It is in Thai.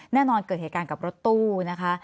แน่นอนเกิดเหตุการณ์กับรถตู้นะคะ